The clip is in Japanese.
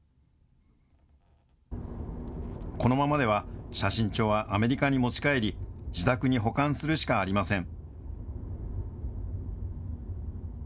このままでは、写真帳はアメリカに持ち帰り、自宅に保管するしかありません。